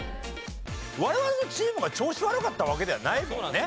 我々のチームが調子悪かったわけではないですもんね。